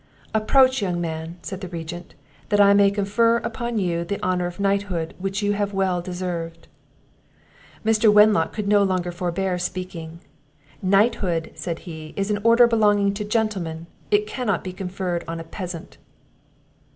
"Approach, young man," said the Regent, "that I may confer upon you the honour of knighthood, which you have well deserved." Mr. Wenlock could no longer forbear speaking "Knighthood," said he, "is an order belonging to gentlemen, it cannot be conferred on a peasant."